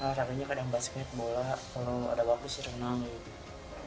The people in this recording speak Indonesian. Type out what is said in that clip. olahraganya kadang basket bola kalau ada bagus renang gitu